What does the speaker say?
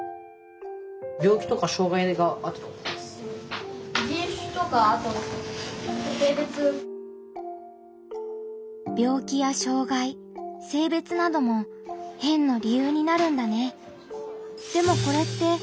病気や障がい性別なども「変」の理由になるんだね。